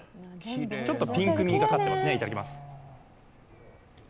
ちょっとピンクみがかかってますね。